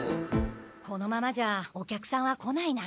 このままじゃお客さんは来ないな。